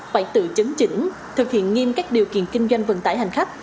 phải tự chứng chỉnh thực hiện nghiêm các điều kiện kinh doanh vận tải hành khách